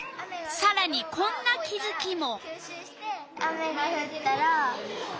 さらにこんな気づきも。